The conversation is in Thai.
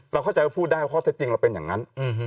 เข้าใจว่าพูดได้ว่าข้อเท็จจริงเราเป็นอย่างนั้น